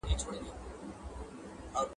• په پردي پرتاگه ځان نه پټېږي.